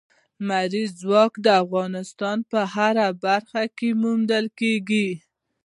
لمریز ځواک د افغانستان په هره برخه کې موندل کېږي.